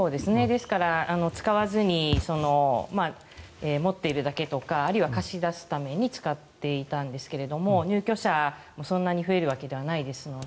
ですから使わずに持っているだけとかあるいは貸し出すために使っていたんですけども入居者そんなに増えるわけではないですので。